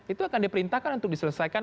itu akan diperintahkan untuk diselesaikan